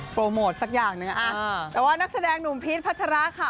โปรโมทสักอย่างหนึ่งแต่ว่านักแสดงหนุ่มพีชพัชระค่ะ